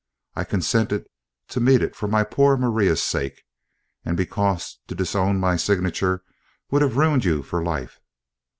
I consented to meet it for my poor Maria's sake, and because to disown my signature would have ruined you for life.